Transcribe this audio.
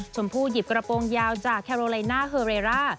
ผู้หยิบกระโปรงยาวจากแคโรไลน่าเฮอเรร่า